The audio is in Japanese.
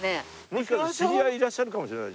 もしかして知り合いいらっしゃるかもしれない。